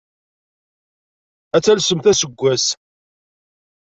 Ad talsemt aseggas!